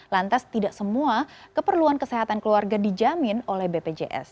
lantas tidak semua keperluan kesehatan keluarga dijamin oleh bpjs